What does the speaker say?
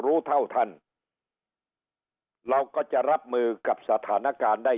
รู้เท่าท่านเราก็จะรับมือกับสถานการณ์ได้